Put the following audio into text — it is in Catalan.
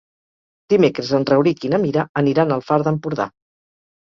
Dimecres en Rauric i na Mira aniran al Far d'Empordà.